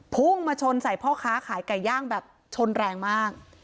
พุ่งมาชนใส่พ่อค้าขายไก่ย่างแบบชนแรงมาก